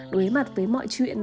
đối mặt với mọi chuyện